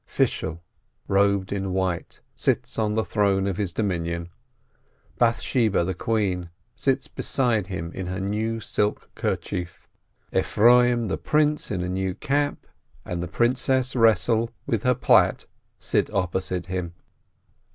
Fishel, robed in white, sits on the throne of his dominion, Bath sheba, the queen, sits beside him in her new silk kerchief ; Ef roim, the prince, in a new cap, and the princess Resele with her plait, sit opposite them.